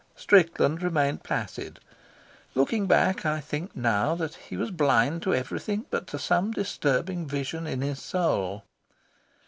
Strickland remained placid. Looking back, I think now that he was blind to everything but to some disturbing vision in his soul.